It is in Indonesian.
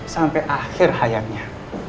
sampai akhir hayatnya